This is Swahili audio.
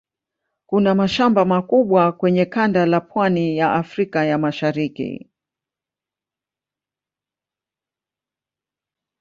Kuna mashamba makubwa kwenye kanda la pwani ya Afrika ya Mashariki.